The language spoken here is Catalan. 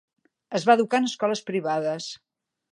Es va educar en escoles privades.